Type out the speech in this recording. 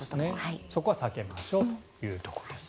そこは避けましょうというところです。